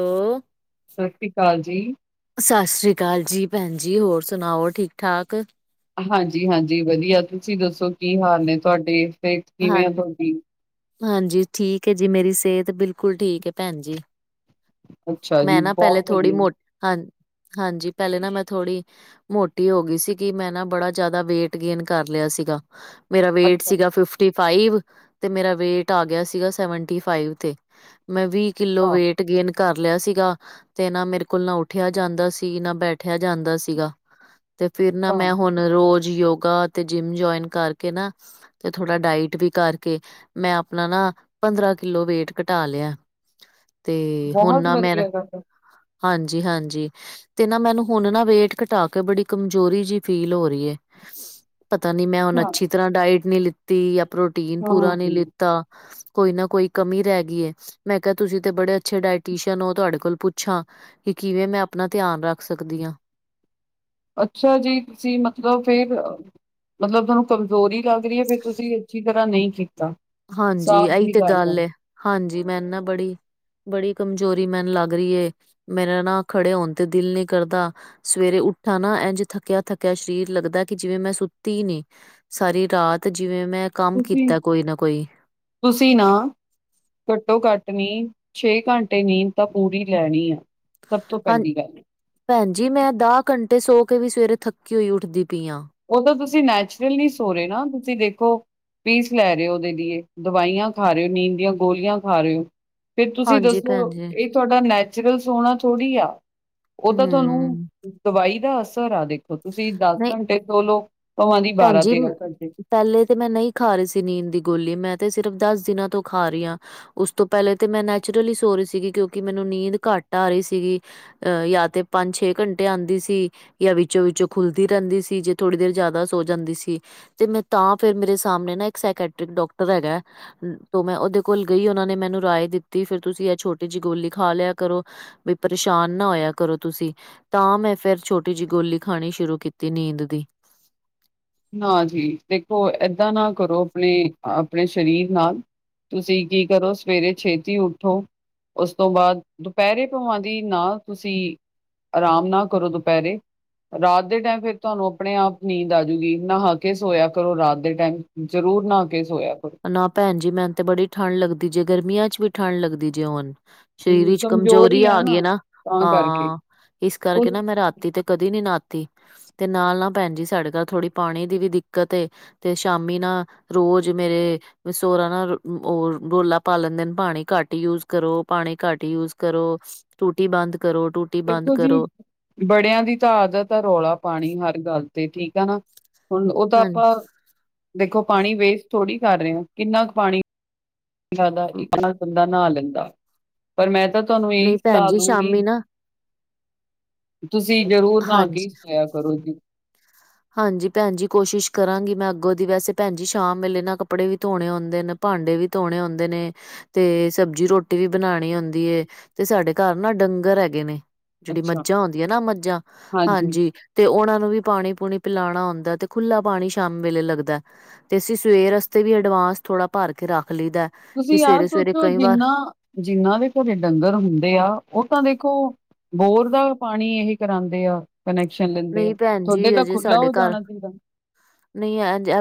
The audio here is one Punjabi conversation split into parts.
ਹੈਲੋ, ਸਤਿ ਸ੍ਰੀ ਅਕਾਲ ਜੀ ਸਤਿ ਸ਼੍ਰੀ ਅਕਾਲ ਜੀ ਭੈਣ ਜੀ, ਹੋਰ ਸੁਣਾਓ ਠੀਕ ਠਾਕ। ਹਾਂਜੀ ਹਾਂਜੀ ਵਧੀਆ, ਤੁਸੀਂ ਦੱਸੋ ਕੀ ਹਾਲ ਨੇ ਤੁਹਾਡੇ, ਸਿਹਤ ਹਾਂ ਕਿਵੇਂ ਆ ਤੁਹਾਡੀ। ਹਾਂਜੀ ਠੀਕ ਹੈ ਜੀ ਮੇਰੀ ਸਿਹਤ, ਬਿਲਕੁਲ ਠੀਕ ਹੈ ਭੈਣ ਜੀ। ਅੱਛਾ ਮੈਂ ਜੀ ਨਾ ਪਹਿਲੇ ਬਹੁਤ ਥੋੜ੍ਹੀ ਵਧੀਆ ਮੋਟੀ ਹਾਂ, ਹਾਂਜੀ ਪਹਿਲੇ ਨਾ ਮੈਂ ਥੋੜ੍ਹੀ ਮੋਟੀ ਹੋ ਗਈ ਸੀਗੀ, ਮੈਂ ਨਾ ਬੜਾ ਜਿਆਦਾ ਵੇਟ ਗੇਨ ਕਰ ਲਿਆ ਸੀਗਾ, ਮੇਰਾ ਵੇਟ ਅੱਛਾ ਸੀਗਾ ਫਿਫ ਫਿਫਟੀ ਫਾਈਵ, ਤੇ ਮੇਰਾ ਵੇਟ ਆ ਗਿਆ ਸੀਗਾ ਸੈਵਨਟੀ ਫਾਈਵ ਤੇ, ਮੈਂ ਵੀਹ ਕਿੱਲੋ ਵੇਟ ਗੇਨ ਕਰ ਲਿਆ ਸੀਗਾ। ਤੇ ਨਾ ਮੇਰੇ ਕੋਲ ਨਾ ਉੱਠਿਆ ਜਾਂਦਾ ਸੀ, ਨਾ ਬੈਠਿਆ ਜਾਂਦਾ ਸੀਗਾ। ਤੇ ਫਿਰ ਨਾ ਹਾਂ-ਹਾਂ ਮੈਂ ਹੁਣ ਰੋਜ਼ ਯੋਗਾ, ਤੇ ਜਿੰਮ ਜੁਇਨ ਕਰਕੇ ਨਾ ਥੋੜ੍ਹਾ ਡਾਇਟ ਵੀ ਕਰਕੇ ਮੈਂ ਆਪਣਾ ਨਾ ਪੰਦਰਾਂ ਕਿੱਲੋ ਵੇਟ ਘਟਾ ਲਿਆ। ਤੇ ਹੁ ਬਹੁਤ ਨਾ ਮੇਰਾ, ਵਧੀਆ ਗੱਲ ਹੈ। ਹਾਂਜੀ ਹਾਂਜੀ। ਤੇ ਨਾ ਮੈਨੂੰ ਹੁਣ ਨਾ ਵੇਟ ਘਟਾ ਕੇ ਬੜੀ ਕਮਜ਼ੋਰੀ ਜਿਹੀ ਫੀਲ ਹੋ ਰਹੀ ਹੈ। ਪਤਾ ਨੀ ਮੈਂ ਹੁਣ ਅੱਛੀ ਤਰ੍ਹਾਂ ਡਾਇਟ ਨਹੀਂ ਲਿੱਤੀ ਜਾਂ ਪ੍ਰੋਟੀਨ ਪੂਰਾ ਨਹੀਂ ਹਾਂ-ਹਾਂ ਲੀ ਤਾਂ ਕੋਈ ਨਾ ਕੋਈ ਕਮੀ ਰਹਿ ਗਈ ਐ। ਮੈਂ ਕਿਹਾ ਤੁਸੀਂ ਤੇ ਬੜੇ ਅੱਛੇ ਡਾਇਟੀਅ ਹੋ, ਤੁਹਾਡੇ ਕੋਲੋ ਪੁੱਛਾਂ। ਕਿ ਕਿਵੇਂ ਮੈਂ ਆਪਣਾ ਧਿਆਨ ਰੱਖ ਸਕਦੀ ਹਾਂ। ਅੱਛਾ ਜੀ, ਤੁਸੀਂ ਮਤਲਬ ਫੇਰ ਮਤਲਬ ਤੁਹਾਨੂੰ ਕਮਜ਼ੋਰੀ ਲੱਗ ਰਹੀ ਹੈ, ਫਿਰ ਤੁਸੀਂ ਅੱਛੀ ਤਰ੍ਹਾਂ ਨਹੀਂ ਕੀਤਾ। ਹਾਂਜੀ ਸਾਫ਼ ਇਹੀ ਜੀ ਤੇ ਹੈ ਗੱਲ ਐ, ਹਾਂਜੀ ਮੈ ਨਾ ਬੜੀ ਬੜੀ ਕਮਜ਼ੋਰੀ ਮੈਨੂੰ ਲੱਗ ਰਹੀ ਏ, ਮੇਰਾ ਨਾ ਖੜੇ ਹੋਣ ਤੇ ਦਿਲ ਨੀ ਕਰਦਾ। ਸਵੇਰੇ ਉੱਠਾ ਨਾ ਇੰਝ ਥੱਕਿਆ ਥੱਕਿਆ ਸਰੀਰ ਲੱਗਦਾ, ਕਿ ਜਿਵੇਂ ਮੈਂ ਸੁੱਤੀ ਹੀ ਨੀ। ਸਾਰੀ ਰਾਤ ਜਿਵੇਂ ਮੈਂ ਕੰਮ ਤੁਸੀਂ ਕੀਤਾ, ਕੋਈ ਨਾ ਕੋਈ। ਤੁਸੀਂ ਨਾ ਘੱਟੋ ਘੱਟ ਨੀਂਦ, ਛੇ ਘੰਟੇ ਨੀਂਦ ਤਾਂ ਪੂਰੀ ਲੈਣੀ ਐ, ਸਭ ਤੋਂ ਪਹਿਲੀ ਗੱਲ। ਭੈਣਜੀ ਮੈਂ ਦਾਹ ਘੰਟੇ ਸੋ ਕੇ ਵੀ, ਸਵੇਰੇ ਥੱਕੀ ਹੋਈ ਉੱਠਦੀ ਪਈ ਆਾਂ ਉਹ ਤਾਂ ਤੁਸੀਂ ਨੈਚੁਰਲ ਨਹੀਂ ਸੋ ਰਹੇ ਨਾ, ਤੁਸੀਂ ਦੇਖੋ ਪੀਸ ਲੈ ਰਹੇ ਹੋ ਉਹਦੇ ਲਈ ਦਵਾਈਆਂ ਖਾ ਰਹੇ ਹੋ, ਨੀਂਦ ਦੀਆਂ ਗੋਲੀਆਂ ਖਾ ਰਹੇ ਹੋ। ਫਰ ਤੁਸੀਂ ਹਾਂਜੀ ਦੱਸੋ, ਭੈਣ ਜੀ ਇਹ ਤੁਹਾਡਾ ਨੈਚੁਰਲ ਸੋਣਾ ਥੋੜ੍ਹੀ ਆ, ਉਹ ਤਾਂ ਤੁਹਾਨੂੰ ਹੂੰ ਦਵਾਈ ਦਾ ਅਸਰ ਆ, ਦੇਖ ਤੁਸੀਂ ਦਸ ਨਹੀਂ ਘੰਟੇ ਸੋਲੋ, ਭਵਾਂ ਦੀ ਭੈਣ ਬਾਰਾਂ ਜੀ ਤੇਰਾਂ ਘੰਟੇ ਪਹਿਲੇ ਤੇ ਮੈਂ ਨਹੀਂ ਖਾ ਰਹੀ ਸੀ, ਨੀਂਦ ਦੀ ਗੋਲੀ ਮੈਂ ਤੇ ਸਿਰਫ਼ ਦਸ ਦਿਨਾਂ ਤੋਂ ਖਾ ਰਹੀ ਹਾਂ। ਉਸ ਤੋਂ ਪਹਿਲੇ ਤੇ ਮੈਂ ਨੈਚੁਰਲੀ ਸੌ ਰਹੀ ਸੀਗੀ, ਕਿਉਂਕਿ ਮੈਨੂੰ ਨੀਂਦ ਘੱਟ ਆ ਰਹੀ ਸੀਗੀ। ਯਾ, ਤੇ ਪੰਜ- ਛੇ ਘੰਟੇ ਆਉਂਦੀ ਸੀ। ਜਾਂ ਵਿੱਚੋ ਵਿੱਚੋਂ ਖੁੱਲਦੀ ਰਹਿੰਦੀ ਸੀ, ਜੇ ਥੋੜ੍ਹੀ ਦੇਰ ਜ਼ਿਆਦਾ ਸੋ ਜਾਂਦੀ ਸੀ। ਤੇ ਮੈਂ ਤਾਂ ਫੇਰ ਮੇਰੇ ਸਾਹਮਣੇ ਨਾ ਇੱਕ ਸਕਟ੍ਰਿਕ ਡਾਕਟਰ ਹੈਗਾ ਤੇ ਮੈਂ ਉਹਦੇ ਕੋਲ ਗਈ, ਉਹਨਾ ਨੇ ਮੈਨੂੰ ਰਾਏ ਦਿੱਤੀ, ਫਿਰ ਤੁਸੀਂ ਇਹ ਛੋਟੀ ਜਿਹੀ ਗੋਲੀ ਖਾ ਲਿਆ ਕਰੋ। ਬਈ ਪਰੇਸ਼ਾਨ ਨਾ ਹੋਇਆ ਕਰੋ ਤੁਸੀਂ। ਤਾਂ ਮੈਂ ਫੇਰ ਛੋਟੀ ਜਿਹੀ ਗੋਲੀ ਖਾਣੀ ਸ਼ੁਰੂ ਕੀਤੀ ਨੀਂਦ ਦੀ। ਨਾ ਜੀ ਦੇਖੋ ਏਦਾਂ ਨਾ ਕਰੋ, ਆਪਣੇ ਆਪਣੇ ਸਰੀਰ ਨਾਲ। ਤੁਸੀਂ ਕੀ ਕਰੋ, ਸਵੇਰੇ ਛੇਤੀ ਉੱਠੋ। ਉਸ ਤੋਂ ਬਾਅਦ, ਦੁਪਹਿਰੇ ਭਵਾਂ ਦੀ ਨਾ ਤੁਸੀਂ ਆਰਾਮ ਨਾ ਕਰੋ ਦੁਪਹਿਰੇ, ਰਾਤ ਦੇ ਟਾਈਮ ਫੇਿਰ ਤੁਹਾਨੂੰ ਆਪਣੇ ਆਪ ਨੀਂਦ ਆਜੂਗੀ। ਨਹਾ ਕੇ ਸੋਇਆ ਕਰੋ, ਰਾਤ ਦੇ ਟਾਈਮ, ਜ਼ਰੂਰ ਨਹਾ ਕੇ ਸੋਇਆ ਕਰੋ। ਨਾ ਭੈਣ ਜੀ, ਮੈਨੂੰ ਤੇ ਬੜੀ ਠੰਢ ਲੱਗਦੀ ਜੇ, ਗਰਮੀਆਂ ਚ ਵੀ ਠੰਢ ਲੱਗਦੀ ਜੇ ਹੁਣ। ਸਰੀਰ ਹਮ, ਵਿੱਚ ਕਮਜ਼ੋਰ ਕਮਜ਼ੋਰੀ ਹੀ ਆ ਗਈ ਨਾ, ਤਾਂ ਕਰਕੇ ਹਾਂ ਇਸ ਕੁਛ ਕਰਕੇ ਨਾ ਮੈਂ ਰਾਤ। ਤੇ, ਕਦੀ ਨੀ ਨਾਤੀ ਤੇ ਨਾਲ ਨਾ ਭੈਣ ਜੀ, ਸਾਡੇ ਘਰ ਥੋੜ੍ਹੀ ਪਾਣੀ ਦੀ ਵੀ ਦਿੱਕਤ ਏ ਤੇ ਸ਼ਾਮੀ ਨਾ ਰੋਜ਼ ਮੇਰੇ ਸੋਹਰਾ ਨਾ ਉਹ ਰੋਲਾ ਪਾ ਲੈਂਦੇ ਨੇ, ਪਾਣੀ ਘੱਟ ਯੂਜ ਕਰੋ, ਪਾਣੀ ਘੱਟ ਯੂਜ ਕਰੋ। ਟੂਟੀ ਬੰਦ, ਕਰੋ ਟੂ ਦੇਖੋ ਜੀ ਬੜਿਆਂ ਦੀ ਤਾਂ ਆਦਤ ਹੈ ਰੌਲਾ ਪਾਣੀ, ਹਰ ਗੱਲ ਤੇ ਠੀਕ ਹੈ ਨਾ। ਹੁਣ ਉਹ ਤਾਂ ਹਾਂਜੀ ਆਪਾਂ ਦੇਖੋ, ਪਾਣੀ ਵੇਸਟ ਥੋੜ੍ਹੀ ਕਰ ਰਹੇ ਹਾਂ, ਕਿੰਨਾ ਕੁ ਪਾਣੀ। ਇੱਕ ਨਾਲ ਬੰਦਾ ਨਹਾ ਲੈਂਦਾ, ਪਰ ਮੈਂ ਤਾਂ ਤੁਹਾਨੂੰ ਇਹੀ ਨਹੀਂ ਭੈਣ ਸਲਾਹ ਜੀ ਦੂੰਗੀ ਸ਼ਾਮੀ ਨਾ ਤੁਸੀਂ ਜ਼ਰੂਰ ਨਹਾ ਹਾਂਜੀ। ਕੇ ਹੀ ਸੋਇਆ ਕਰੋ ਜੀ। ਹਾਂਜੀ ਭੈਣ ਜੀ, ਕੋਸ਼ਿਸ਼ ਕਰਾਂਗੀ ਮੈਂ ਅੱਗੋਂ ਦੀ ਵੈਸੇ ਭੈਣ ਜੀ, ਸ਼ਾਮ ਵੇਲੇ ਨਾ ਕੱਪੜੇ ਵੀ ਧੋਣੇ ਹੁੰਦੇ ਨੇ। ਭਾਂਡੇ ਵੀ ਧੋਣੇ ਹੁੰਦੇ ਨੇ। ਤੇ ਸਬਜ਼ੀ ਰੋਟੀ ਵੀ, ਬਣਾਉਣੀ ਹੁੰਦੀ ਏ ਤੇ ਸਾਡੇ ਘਰ ਨਾ, ਡੰਗਰ ਹੈਗੇ ਨੇ। ਜਿਹੜੀ ਅੱਛਾ ਮੱਝਾਂ ਹੁੰਂਦੀਆਂ ਨਾ, ਮੱਝਾਂ ਹਾਂਜੀ, ਤੇ ਉਹਨਾ ਨੂੰ ਵੀ ਪਾਣੀ- ਪੂਣੀ ਪਿਲਾਉਣਾ ਹੁੰਦਾ, ਤੇ ਖੁੱਲਾ ਪਾਣੀ ਸ਼ਾਮ ਵੇਲੇ ਲੱਗਦਾ ਤੇ ਅਸੀਂ, ਸਵੇਰ ਵਾਸਤੇ ਵੀ ਅਡਵਾਂਸ ਥੋੜ੍ਹਾ ਭਰ ਕੇ ਰੱਖ ਲਈਦਾ। ਕਿ ਤੁਸੀਂ ਯਾਰ, ਸਵੇਰੇ ਸਵੇਰੇ ਸੋਚੋ ਕਈ ਵਾਰ ਜਿੰਨਾ ਜਿੰਨਾਂ ਦੇ ਘਰੇ ਡੰਗਰ ਹੁੰਦੇ ਆ, ਉਹ ਤਾਂ ਦੇਖੋ ਬੋਰ ਦਾ ਪਾਣੀ ਇਹ ਹੀ ਕਰਾਉਂਦੇ ਆ। ਕਨੈਕਸ਼ਨ ਲੈਂਦੇ ਆ, ਨਹੀਂ ਭੈਣ ਤੁਹਾਡੇ ਜੀ ਤਾਂ ਅਜੇ ਖੁੱਲਾ ਸਾਡੇ ਹੋ ਘਰ ਜਾਣਾ ਚਾਹੀਦਾ। ਨਹੀਂ ਐ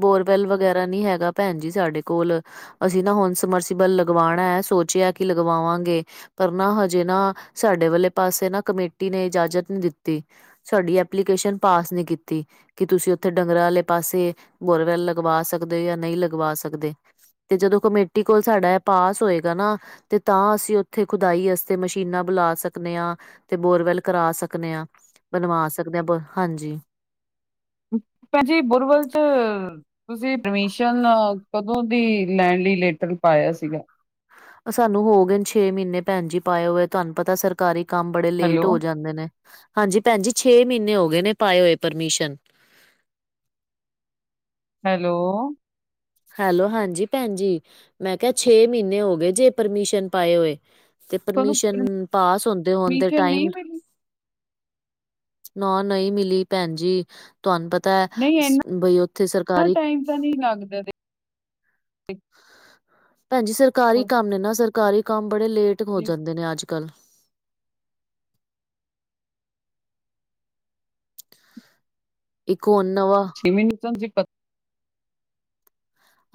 ਬੋਰਵੈਲ ਵਗੈਰਾ, ਨਹੀਂ ਹੈਗਾ ਭੈਣ ਜੀ ਸਾਡੇ ਕੋਲ। ਅਸੀਂ ਨਾ ਹੁਣ, ਸਮਰਸੀਬਲ ਲਗਵਾਉਣਾ ਹੈ ਸੋਚਿਆ ਕਿ ਲਗਾਵਾਂਗੇ। ਪਰ ਨਾ ਹਜੇ ਨਾ, ਸਾਡੇ ਵਾਲੇ ਪਾਸੇ ਨਾ ਕਮੇਟੀ ਨੇ ਇਜਾਜ਼ਤ ਨਹੀਂ ਦਿੱਤੀ। ਸਾਡੀ ਐਪਲੀਕੇਸ਼ਨ, ਪਾਸ ਨੀ ਕੀਤੀ। ਕਿ ਤੁਸੀਂ ਉੱਥੇ ਡੰਗਰਾਂ ਵਾਲੇ ਪਾਸੇ, ਬੋਰਵੈਲ ਲਗਵਾ ਸਕਦੇ ਹੋ ਜਾਂ ਨਹੀਂ ਲਗਵਾ ਸਕਦੇ। ਤੇ ਜਦੋਂ ਕਮੇਟੀ ਕੋਲ, ਸਾਡਾ ਏਹ ਪਾਸ ਹੋਏਗਾ ਨਾ। ਤੇ ਤਾਂ, ਅਸੀਂ ਉੱਥੇ ਖੁਦਾਈ ਵਾਸਤੇ, ਮਸ਼ੀਨਾਂ ਬੁਲਾ ਸਕਦੇ ਹਾਂ। ਤੇ ਬੋਰਵੈਲ ਕਰਾ ਸਕਨੇ ਹਾਂ, ਬਣਵਾ ਸਕਦੇ ਹਾਂ, ਬ ਹਾਂਜੀ। ਭੈੰਜੀ ਬੁਰਵਲ ਚ ਤੁਸੀਂ ਪਰਮਿਸ਼ਨ, ਕਦੋਂ ਦੀ ਲੈਣ ਲਈ ਲੈਟਰ ਪਾਇਆ ਸੀਗਾ? ਸਾਨੂੰ ਹੋ ਗਏ ਨੇ ਛੇ ਮਹੀਨੇ ਭੈਣ ਜੀ, ਪਾਏ ਹੋਏ ਤੁਹਾਨੂੰ ਪਤਾ ਸਰਕਾਰੀ ਕੰਮ ਬੜੇ ਲੇਟ ਹੈਲੋ ਹੋ ਜਾਂਦੇ ਨੇ। ਹਾਂਜੀ, ਭੈਣ ਜੀ ਛੇ ਮਹੀਨੇ ਹੋ ਗਏ ਨੇ, ਪਾਏ ਹੋਏ ਪਰਮਿਸ਼ਨ। ਹੈਲੋ। ਹੈਲੋ, ਹਾਂਜੀ ਭੈਣ ਜ ਮੈਂ ਕਿਹਾ ਛੇ ਮਹੀਨੇ ਹੋ ਗਏ ਜੇ, ਪਰਮਿਸ਼ਨ ਪਾਏ ਹੋਏ। ਤੇ ਤੁਹਾਨੂੰ ਪਰਮਿਸ਼ਨ, ਪਾਸ ਹੁੰਦੇ -ਹੰਦੇ, ਪਰਮਿਸ਼ਨ ਟਾਈਮ ਨਹੀਂ ਮਿਲੀ ਨ ਨਹੀਂ ਮਿਲੀ ਭੈਣ ਜੀ, ਤੁਹਾਨੂੰ ਪਤਾ ਹੈ ਬਈ ਉੱਥੇ ਸਰਕਾਰੀ ਪਤਾ ਨੀ ਲੱਗਦਾ। ਭੈਣਜੀ ਸਰਕਾਰੀ ਦੇਖੋ ਕੰਮ ਨੇ ਨਾ ਸਰਕਾਰੀ ਕੰਮ ਬੜੇ ਲੇਟ ਹੋ ਜੀ ਜਾਂਦੇ ਨੇ ਅੱਜ -ਕੱਲ੍ਹ। ਇੱਕ ਹੁਣ ਨਵਾਂ, [unintelligible]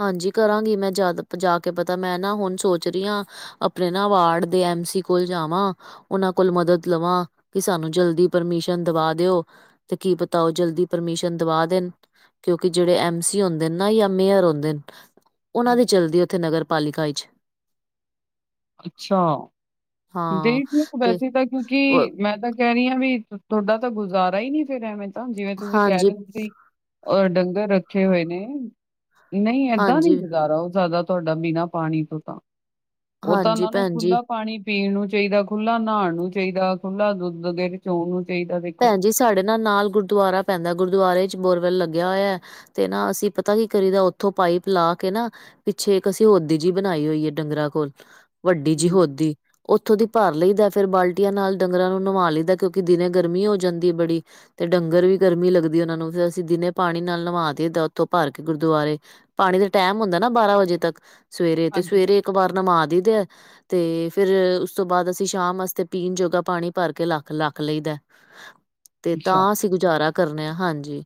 ਹਾਂਜੀ ਕਰਾਂਗੀ, ਮੈਂ ਜਾ ਕੇ ਪਤਾ ਮੈਂ ਨਾ ਹੁਣ ਸੋਚ ਰਹੀ ਹਾਂ ਆਪਣੇ ਨਾ, ਵਾਰਡ ਦੇ ਐਮ -ਸੀ ਕੋਲ ਜਾਵਾਂ। ਉਹਨਾਂ ਕੋਲ ਮਦਦ ਲਵਾਂ, ਕਿ ਸਾਨੂੰ ਜਲਦੀ ਪਰਮਿਸ਼ਨ ਦਵਾ ਦਿਓ। ਤੇ ਕੀ ਪਤਾ ਉਹ ਜਲਦੀ ਪਰਮਿਸ਼ਨ ਦਵਾ ਦੇਣ, ਕਿਉਂਕਿ ਜਿਹੜੇ ਐਮ -ਸੀ, ਹੁੰਦੇ ਨਾ ਯ ਮੇਅਰ ਹੁੰਦੇ ਉਹਨਾਂ ਪਤਾ ਦੀ ਚਲਦੀ, ਉੱਥੇ ਨਗਰ ਪਾਲਿਕਾ ਵਿੱਚ। ਅੱਛਾ, ਹਾਂ ਦੇਖ ਲਓ ਤੇ ਵੈਸੇ ਤਾਂ ਉਹ- ਕਿਉਂਕਿ ਮੈਂ ਤਾਂ ਕਹਿ ਰਹੀ ਆ ਵੀ, ਤੁਹਾਡਾ ਤਾਂ ਗੁਜ਼ਾਰਾ ਹੀ ਨੀ ਫੇਰ ਐਵੇਂ ਤਾਂ ਜਿਵੇਂ ਤੁਸੀਂ ਕਹਿ ਹਾਂਜੀ ਰਹੇ ਸੀ। ਔਰ ਡੰਗਰ ਰੱਖੇ ਹੋਏ ਨੇ ਨਹੀਂ ਏਦਾਂ ਨੀ ਹਾਂਜੀ ਗੁਜ਼ਾਰਾ ਹੋ ਸਕਦਾ। ਬਿਨਾਂ ਪਾਣੀ ਤੋਂ ਤਾਂ ਉਹ ਤਾਂ ਹਾਂਜੀ ਉਹਨਾਂ ਨੂੰ ਭੈਣ ਜੀ ਖੁੱਲਾ ਪਾਣੀ ਪੀਣ ਨੂੰ ਚਾਹੀਦਾ ਖੁੱਲਾ ਨਹਾਣ ਨੂੰ ਚਾਹੀਦਾ ਖੁੱਲਾ ਦੁੱਧ ਰਚਾਉਣ ਨੂੰ ਚਾਹੀਦਾ ਦੇਖੋ। ਭੈਣ ਜੀ ਸਾਡੇ ਨਾਲ ਗੁਰਦੁਆਰਾ ਪੈਂਦਾ ਗੁਰਦੁਆਰੇ 'ਚ ਬੋਰਵੈੱਲ ਲੱਗਿਆ ਹੋਇਆ। ਤੇ ਨਾ ਅਸੀਂ ਪਤਾ ਕੀ ਕਰੀ ਦਾ ਉੱਥੋਂ ਪਾਈਪ ਲਾ ਕੇ ਨਾ। ਪਿੱਛੇ ਇੱਕ ਅਸੀਂ ਓਦੀ ਜੀ ਬਣਾਈ ਹੋਈ ਆ ਡੰਗਰਾਂ ਕੋਲ। ਵੱਡੀ ਜੀ ਹਮ, ਓਦੀ ਉੱਥੋਂ ਦੀ ਭਰ ਲਈਦਾ ਫੇਰ ਬਾਲਟੀਆਂ ਨਾਲ ਡੰਗਰਾਂ ਨੂੰ ਨਵਾ ਲਈਦਾ ਕਿਉਂਕਿ ਦਿਨੇ ਗਰਮੀ ਹੋ ਜਾਂਦੀ ਬੜੀ। ਤੇ ਡੰਗਰ ਵੀ ਗਰਮੀ ਲੱਗਦੀ ਉਹਨਾਂ ਨੂੰ ਫਿਰ ਅਸੀਂ ਦਿਨੇ ਪਾਣੀ ਨਾਲ ਨਿਵਾ ਦਈ ਦਾ ਉੱਥੋਂ ਭਰ ਕੇ ਗੁਰਦੁਆਰੇ। ਪਾਣੀ ਦੇ ਟਾਈਮ ਹੁੰਦਾ ਨਾ ਬਾਰਾਂ ਵਜੇ ਤੱਕ ਸਵੇਰੇ ਤੇ ਹਾਂਜੀ ਸਵੇਰੇ ਇੱਕ ਵਾਰ ਨਵਾ ਦਈ ਦਾ। ਤੇ ਫਿਰ ਉਸ ਤੋਂ ਬਾਅਦ ਅਸੀਂ ਸ਼ਾਮ ਵਾਸਤੇ ਪੀਣ ਜੋਗਾ ਪਾਣੀ ਭਰ ਕੇ ਲੱਖ ਰੱਖ ਲਈ ਦਾ। ਤੇ ਅੱਛਾ ਤਾਂ ਅਸੀਂ ਗੁਜ਼ਾਰਾ ਕਰਨੇ ਹਾਂਜੀ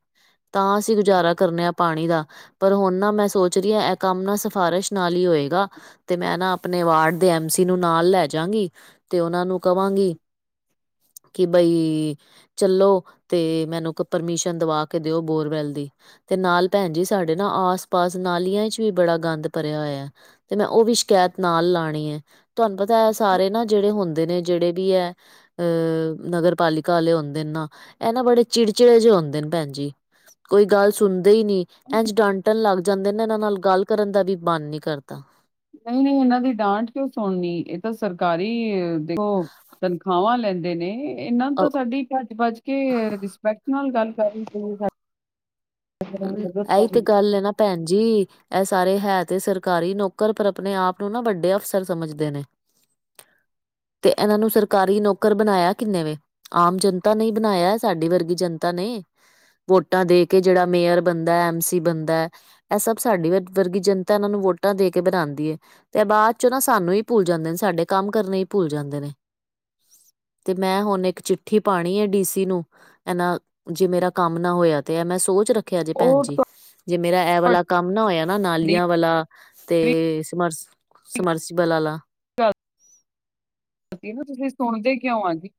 ਤਾਂ ਅਸੀਂ ਗੁਜ਼ਾਰਾ ਕਰਨਾ ਪਾਣੀ ਦਾ। ਪਰ ਹੁਣ ਨਾ ਮੈਂ ਸੋਚ ਰਹੀ ਆ ਇਹ ਕੰਮ ਨਾ ਸਿਫਾਰਸ਼ ਨਾਲ ਹੀ ਹੋਏਗਾ। ਤੇ ਮੈਂ ਨਾ ਆਪਣੇ ਵਾਰਡ ਦੇ ਐਮ ਸੀ ਨੂੰ ਨਾਲ ਲੈਜਗੀ ਤੇ ਉਹਨਾਂ ਨੂੰ ਕਵਾਂਗੀ। ਕਿ ਬਈ। ਚਲੋ ਤੇ ਮੈਨੂੰ ਪਰਮੀਸ਼ਨ ਦਵਾ ਕੇ ਦਿਓ ਬੋਰਵੈਲ ਦੀ। ਤੇ ਨਾਲ ਭੈਣ ਜੀ ਸਾਡੇ ਨਾ ਆਸ ਪਾਸ ਨਾਲੀਆਂ ਵਿੱਚ ਵੀ ਬੜਾ ਗੰਦ ਭਰਿਆ ਹੋਇਆ। ਤੇ ਮੈਂ ਉਹ ਵੀ ਸ਼ਿਕਾਇਤ ਨਾਲ ਲਾਣੀ ਐ। ਤੁਹਾਨੂੰ ਪਤਾ ਐ ਸਾਰੇ ਨਾ ਜਿਹੜੇ ਹੁੰਦੇ ਨੇ ਜਿਹੜੇ ਵੀ ਐ ਨਗਰ ਪਾਲਿਕ ਹੁੰਦੇ ਨੇ ਨਾ ਇਹ ਨਾ ਬੜੇ ਚਿੜਚਿੜੇ ਜਿਹੇ ਹੁੰਦੇ ਨੇ ਭੈਣ ਜੀ ਕੋਈ ਗੱਲ ਸੁਣਦੇ ਈ ਨੀ। ਇੰਝ ਡਾਂਟਣ ਲੱਗ ਜਾਂਦੇ ਨੇ ਇਹਨਾਂ ਨਾਲ ਗੱਲ ਕਰਨ ਦਾ ਵੀ ਮਨ ਨੀ ਕਰਦਾ। ਨਹੀਂ-ਨਹੀਂ, ਇਹਨਾਂ ਦੀ ਡਾਂਟ ਕਿਉਂ ਸੁਣਨੀ ਇਹ ਤਾਂ ਸਰਕਾਰੀ ਦੇਖੋ। ਤਨਖਾਵਾ ਲੈਂਦੇ ਨੇ। ਇਹਨਾਂ ਨੂੰ ਤਾਂ ਸਾਡੀ ਭੱਜ ਭੱਜ ਕੇ ਰਿਸਪੈਕਟ ਨਾਲ ਗੱਲ ਕਰਨੀ ਚਾਹੀਦੀ [unintelligible] ਉਹ ਤੁਹਾਡੀ ਇਹੀ ਤੇ ਗੱਲ ਐ ਨਾ ਭੈਣ ਜੀ। ਇਹ ਸਾਰੇ ਹੈ ਤੇ ਸਰਕਾਰੀ ਨੌਕਰ ਪਰ ਆਪਣੇ ਆਪ ਨੂੰ ਨਾ ਵੱਡੇ ਅਫਸਰ ਸਮਝਦੇ ਨੇ। ਤੇ ਇਹਨਾਂ ਨੂੰ ਸਰਕਾਰੀ ਨੌਕਰ ਬਣਾਇਆ ਕਿੰਨੇ ਵੈ। ਆਮ ਜਨਤਾ ਨੇ ਬਣਾਇਆ ਸਾਡੀ ਵਰਗੀ ਜਨਤਾ ਨੇ ਵੋਟਾਂ ਦੇ ਕੇ ਜਿਹੜਾ ਮੇਅਰ ਬਣਦਾ ਐਮ ਸੀ ਬਣਦਾ। ਇਹ ਸਭ ਸਾਡੀ ਵਰਗੀ ਜਨਤਾ ਇਹਨਾਂ ਨੂੰ ਵੋਟਾਂ ਦੇ ਕੇ ਬਣਾਂਦੀ ਐ। ਤੇ ਬਾਅਦ ਚ ਨਾ ਸਾਨੂੰ ਹੀ ਭੁੱਲ ਜਾਂਦੇ ਨੇ ਸਾਡੇ ਕੰਮ ਕਰਨੇ ਈ ਭੁੱਲ ਜਾਂਦੇ ਨੇ। ਤੇ ਮੈਂ ਹੁਣ ਇੱਕ ਚਿੱਠੀ ਪਾਣੀ ਐ ਡੀਸੀ ਨੂੰ। ਇਹਨਾ ਜੇ ਮੇਰਾ ਕੰਮ ਨਾ ਹੋਇਆ ਤੇ ਮੈਂ ਐ ਸੋਚ ਰੱਖਿਆ ਜੇ ਭੈਣ ਜੀ। ਜੇ ਮੇਰਾ ਇਹ ਵਾਲਾ ਕੰਮ ਨਾ ਹੋਇਆ ਨਾ ਵੀ ਨਾਲੀਆਂ ਵਾਲਾ ਤੇ ਸਮਰ ਸਮਰਸੀ ਬੱਲ ਆਲਾ। [unintelligible] ਤੁਸੀਂ ਸੁਣਦੇ ਕਿਉਂ ਆ ਜੀ।